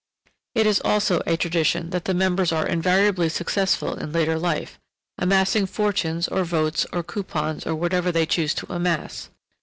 It is also a tradition that the members are invariably successful in later life, amassing fortunes or votes or coupons or whatever they choose to amass.